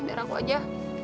biar aku aja